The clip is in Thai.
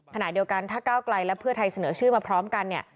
ขณะเดียวกันถ้าก้าวไกลและเพื่อไทยเสนอชื่อมาพร้อมกันเนี่ย